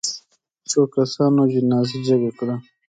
څو کسانو جنازه جګه کړه.